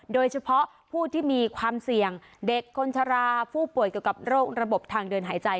โดยเฉพาะผู้ที่มีความเสี่ยงเด็กคนชราผู้ป่วยเกี่ยวกับโรคระบบทางเดินหายใจ